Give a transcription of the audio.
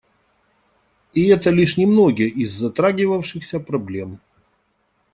И это лишь немногие из затрагивавшихся проблем.